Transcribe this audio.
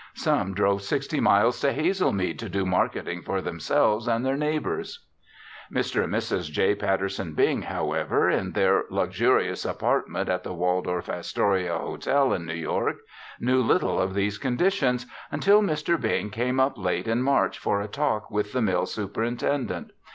Some drove sixty miles to Hazelmead to do marketing for themselves and their neighbors. Mr. and Mrs. J. Patterson Bing, however, in their luxurious apartment at the Waldorf Astoria Hotel in New York, knew little of these conditions until Mr. Bing came up late in March for a talk with the mill superintendent.